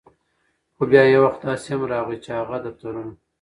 خو بیا یو وخت داسې هم راغے، چې هغه دفترونه